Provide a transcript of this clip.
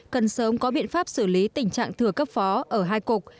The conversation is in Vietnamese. cần sớm có biện pháp xử lý tình trạng thừa cấp phó ở hai cục